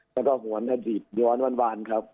แล้วก็หวนอดีตย้อนวานครับ